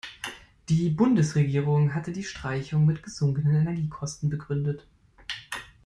Die Bundesregierung hatte die Streichung mit gesunkenen Energiekosten begründet.